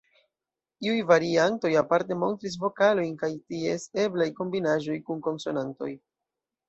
Iuj variantoj aparte montris vokalojn kaj ties eblaj kombinaĵoj kun konsonantoj.